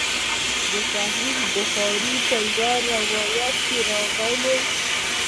د صحیح بخاري په یوه روایت کې راغلي.